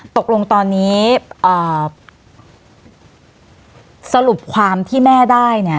ตกลงตอนนี้สรุปความที่แม่ได้เนี่ย